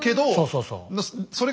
そうそうそう。